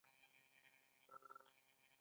سږ کال د هيواد ميوي مارکيټ نلري .ډيري ارزانه دي